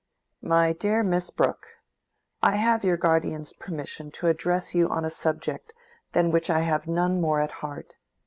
MY DEAR MISS BROOKE,—I have your guardian's permission to address you on a subject than which I have none more at heart.